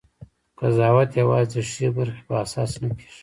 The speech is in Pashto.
قضاوت یوازې د ښې برخې په اساس نه کېږي.